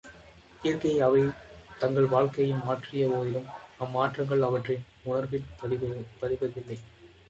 இயற்கையை அவை தங்கள் வாழ்க்கையால் மாற்றியபோதிலும் அம்மாற்றங்கள் அவற்றின் உணர்வில் பதிவதில்லை.